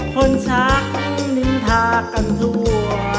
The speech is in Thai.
คนชักนินทากันทั่ว